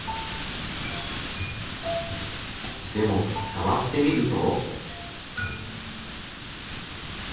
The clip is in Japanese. でもさわってみると。